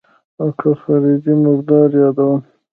اگه خارجۍ مرداره يادوم.